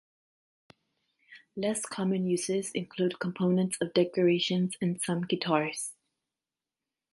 Less common uses include components of decorations and some guitars.